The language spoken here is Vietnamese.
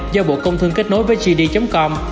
do bộ công thương kết nối với jd com